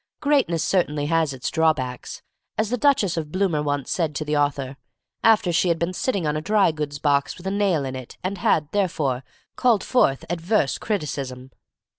Greatness certainly has its drawbacks, as the Duchess of Bloomer once said to the author, after she had been sitting on a dry goods box with a nail in it, and had, therefore, called forth adverse criticism.